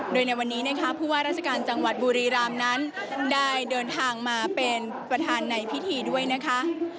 โดยในวันนี้นะคะผู้ว่าราชการจังหวัดบุรีรามนั้นได้เดินทางมาเป็นประธานในพิธีด้วยนะคะ